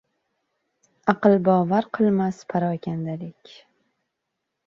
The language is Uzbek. Аqlbovar qilmas parokandalik.